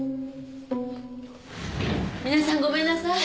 皆さんごめんなさい。